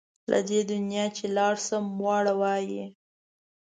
له دې دنیا چې لاړ شم واړه وايي.